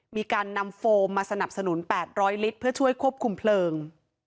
มีการนำโฟมมาสนับสนุน๘๐๐ลิตรเพื่อช่วยควบคุมเพลิง